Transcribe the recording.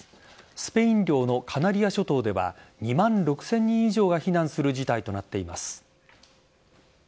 スペイン領のカナリア諸島では２万６０００人以上が避難する事態となっています。